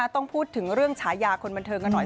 ต้องพูดถึงเรื่องฉายาคนบันเทิงกันหน่อย